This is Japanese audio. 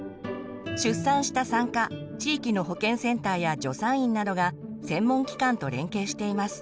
出産した産科地域の保健センターや助産院などが専門機関と連携しています。